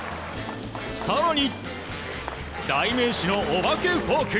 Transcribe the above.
更に、代名詞のお化けフォーク。